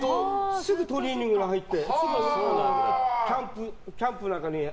すぐトレーニングして。